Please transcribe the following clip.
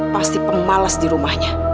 pasti pemalas di rumahnya